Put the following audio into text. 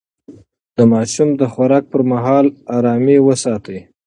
د ماشوم د خوراک پر مهال ارامي وساتئ.